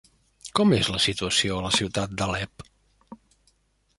Com és la situació a la ciutat d'Alep?